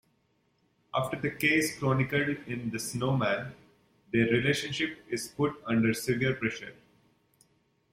After the case chronicled in "The Snowman", their relationship is put under severe pressure.